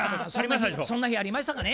あそんな日ありましたかね？